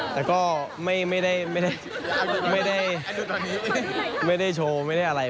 เอ่อแต่ก็ไม่ได้ไม่ได้ไม่ได้ไม่ได้โชว์ไม่ได้อะไร